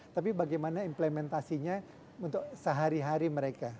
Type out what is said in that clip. tapi bagaimana implementasinya untuk sehari hari mereka